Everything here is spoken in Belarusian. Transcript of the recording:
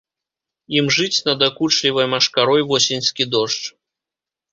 Імжыць надакучлівай машкарой восеньскі дождж.